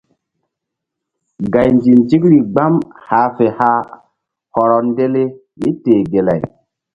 Gay nzinzikri gbam hah fe hah hɔrɔ ndele míteh gelay.